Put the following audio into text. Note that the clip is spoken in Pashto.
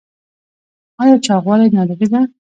ایا چاغوالی ناروغي ده؟